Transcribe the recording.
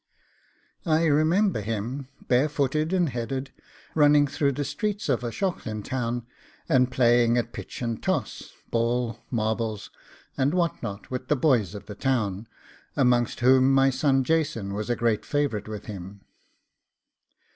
I remember him, bare footed and headed, running through the street of O'Shaughlin's Town, and playing at pitch and toss, ball, marbles, and what not, with the boys of the town, amongst whom my son Jason was a great favourite with him.